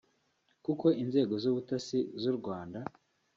kuko inzego z’ubutasi z’u Rwanda